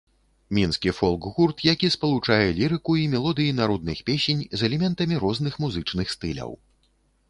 Мінскі фолк-гурт, які спалучае лірыку і мелодыі народных песень з элементамі розных музычных стыляў.